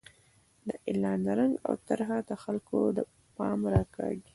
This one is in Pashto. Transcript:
د اعلان رنګ او طرحه د خلکو پام راکاږي.